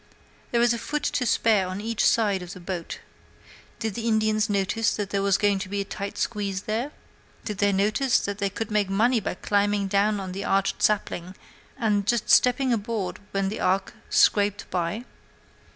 There is a foot to spare on each side of the boat. Did the Indians notice that there was going to be a tight squeeze there? Did they notice that they could make money by climbing down out of that arched sapling and just stepping aboard when the ark scraped by?